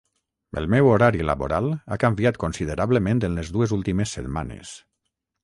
El meu horari laboral ha canviat considerablement en les dues últimes setmanes.